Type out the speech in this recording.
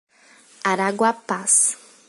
Araguapaz